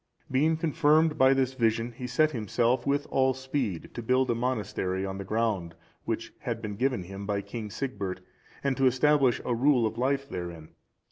(380) Being confirmed by this vision, he set himself with all speed to build a monastery on the ground which had been given him by King Sigbert, and to establish a rule of life therein.